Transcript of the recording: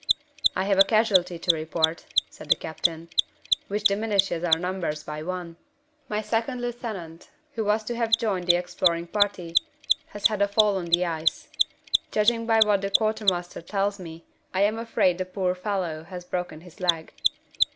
"I have a casualty to report," said the captain, "which diminishes our numbers by one. My second lieutenant, who was to have joined the exploring party, has had a fall on the ice. Judging by what the quartermaster tells me, I am afraid the poor fellow has broken his leg."